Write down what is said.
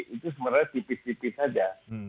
itu sebenarnya tipis tipis saja